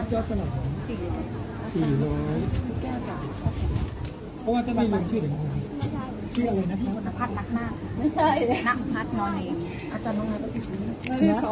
ปล่อยแกะออกจากเราแล้วออกจากละด้วยแกะออกจากเราแกะออก